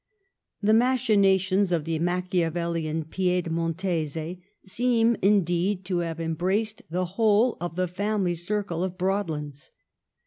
The machinations of the Machiavellian Piedmontese seem, indeed, to have em braced the whole of the family circle of Broadlands.